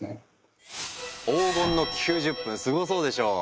黄金の９０分すごそうでしょう？